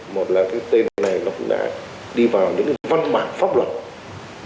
một là cái tên này nó cũng đã đi vào những văn bản pháp luật